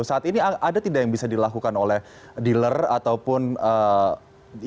saat ini ada tidak yang bisa dilakukan oleh dealer ataupun dealer penjualan untuk kembali ke industri komponen